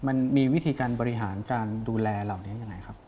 มันมีวิธีการบริหารการดูแลเหล่านี้ยังไงครับ